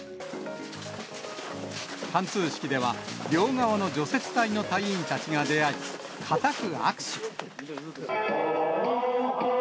貫通式では、両側の除雪隊の隊員たちが出会い、固く握手。